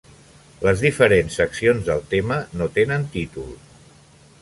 Les diferents seccions del tema no tenen títol.